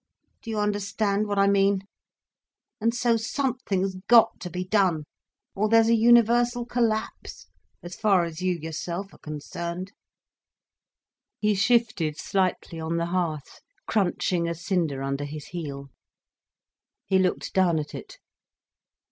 Do you understand what I mean? And so something's got to be done, or there's a universal collapse—as far as you yourself are concerned." He shifted slightly on the hearth, crunching a cinder under his heel. He looked down at it.